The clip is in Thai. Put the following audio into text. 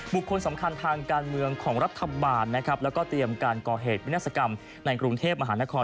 บุคคลสำคัญทางการเมืองของรัฐบาลนะครับแล้วก็เตรียมการก่อเหตุวินาศกรรมในกรุงเทพมหานคร